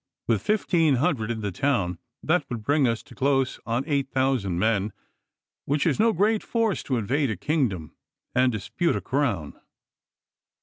With fifteen hundred in the town that would bring us to close on eight thousand men, which is no great force to invade a kingdom and dispute a crown.